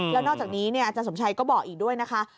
แล้วนอกจากนี้อาจารย์สมชัยก็บอกอีกด้วยนะคะ